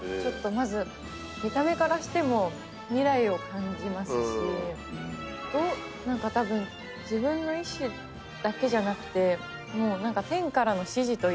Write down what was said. まず見た目からしても未来を感じますしどう何かたぶん自分の意思だけじゃなくてもう何か天からの指示というか。